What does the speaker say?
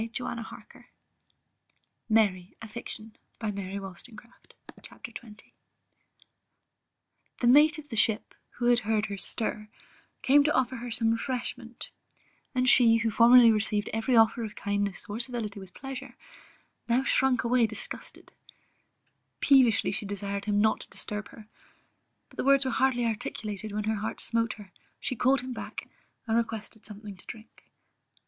the my, the pen was directly drawn across in an agony. CHAP. XX. The mate of the ship, who heard her stir, came to offer her some refreshment; and she, who formerly received every offer of kindness or civility with pleasure, now shrunk away disgusted: peevishly she desired him not to disturb her; but the words were hardly articulated when her heart smote her, she called him back, and requested something to drink.